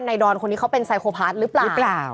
ในดอนคนนี้เขาเป็นไซโคพาร์ตหรือเปล่า